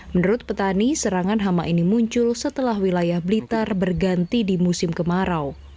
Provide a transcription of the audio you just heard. menurut petani serangan hama ini muncul setelah wilayah blitar berganti di musim kemarau